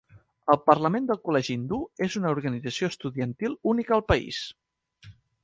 El Parlament del Col·legi Hindú és una organització estudiantil única al país.